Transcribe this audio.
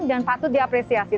dan patut diapresiasi